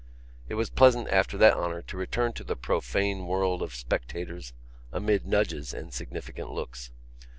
It was pleasant after that honour to return to the profane world of spectators amid nudges and significant looks.